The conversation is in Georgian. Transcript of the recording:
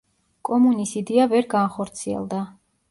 კომუნის იდეა ვერ განხორციელდა.